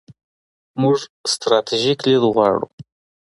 موږ ستراتیژیک لید غواړو.